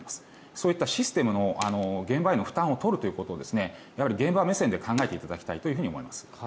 そういったシステムの現場への負担を取るということをやはり現場目線で考えていただきたいと思います。